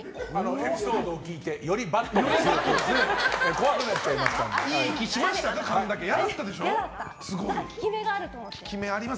エピソードを聞いてよりバッドです。